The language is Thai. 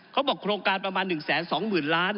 เขาบอกโครงการประมาณ๑แสน๒หมื่นล้าน